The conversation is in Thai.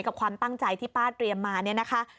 ความตั้งใจที่ป้าเตรียมมาเนี่ยนะคะ